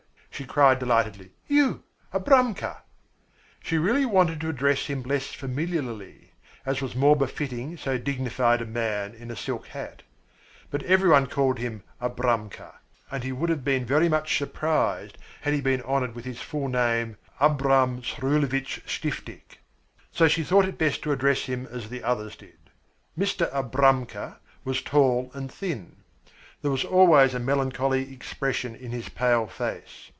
she cried delightedly. "You, Abramka!" She really wanted to address him less familiarly, as was more befitting so dignified a man in a silk hat; but everybody called him "Abramka," and he would have been very much surprised had he been honoured with his full name, Abram Srulevich Stiftik. So she thought it best to address him as the others did. Mr. "Abramka" was tall and thin. There was always a melancholy expression in his pale face.